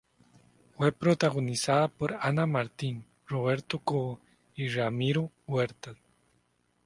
Fue protagonizada por Ana Martín, Roberto Cobo y Ramiro Huerta.